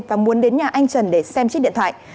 và muốn đến nhà anh trần để xem chiếc điện thoại